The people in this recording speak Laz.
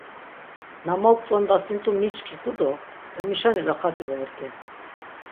Na mok̆tzondasint̆u miçkit̆u do emu şeni raxati vort̆i.